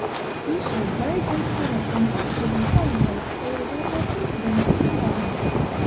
He showed very great honor to ambassadors and foreign folks; they were right well feasted and entertained by him.